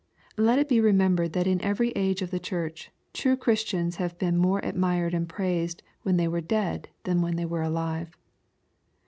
] Let it be remembered that in every age of the Church, true Christians have been more admired and praised when they were dead than when they were alive.